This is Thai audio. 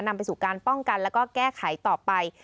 นำไปสู่การป้องกันแล้วก็แก้ไขต่อไป